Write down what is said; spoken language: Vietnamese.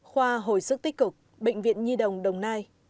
khoa hồi sức tích cực bệnh viện nhi đồng đồng nai